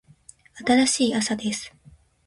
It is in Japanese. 新しい朝です。